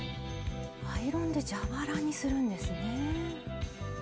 アイロンで蛇腹にするんですね。